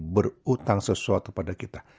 berutang sesuatu pada kita